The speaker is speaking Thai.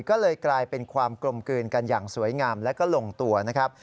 ก็เลยกลายเป็นความกลมกลืนกันอย่างสวยงามและก็ลงตัวนะครับ